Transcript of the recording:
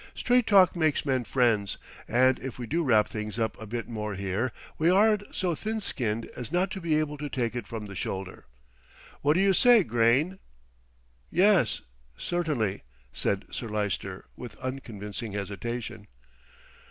"Straight talk makes men friends, and if we do wrap things up a bit more here, we aren't so thin skinned as not to be able to take it from the shoulder. What say you, Grayne?" "Yes certainly," said Sir Lyster with unconvincing hesitation.